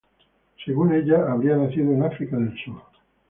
Según ella, habría nacido en África del Sur.